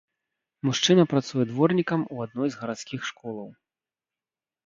Мужчына працуе дворнікам у адной з гарадскіх школаў.